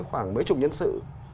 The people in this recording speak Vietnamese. khoảng mấy chục nhân sự